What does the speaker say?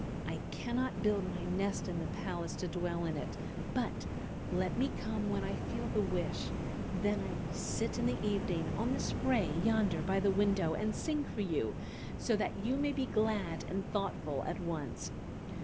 I cannot build my nest in the palace to dwell in it, but let me come when I feel the wish; then I will sit in the evening on the spray yonder by the window, and sing for you, so that you may be glad and thoughtful at once.